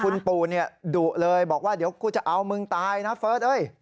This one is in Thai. คุณปู่ดุเลยบอกว่าเดี๋ยวกูจะเอามึงตายนะเฟิร์ส